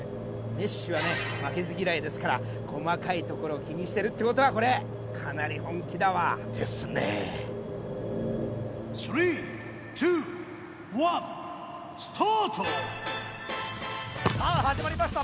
メッシはね負けず嫌いですから細かいところを気にしてるってことはこれかなり本気だわですねさあ始まりました